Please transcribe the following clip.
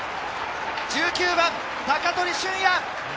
１９番・鷹取駿也！